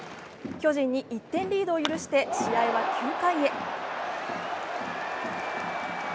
巨人に１点リードを許して試合は９回へ。